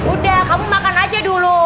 udah kamu makan aja dulu